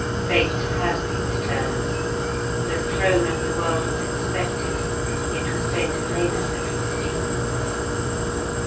Fate has these turns; the throne of the world was expected; it was Saint Helena that was seen.